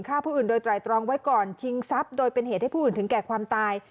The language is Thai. ฆ่าผู้อื่นโดยไตรตรองไว้ก่อนชิงทรัพย์โดยเป็นเหตุให้ผู้อื่นถึงแก่ความตาย